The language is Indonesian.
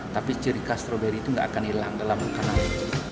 tapi ciri khas stroberi itu nggak akan hilang dalam makanan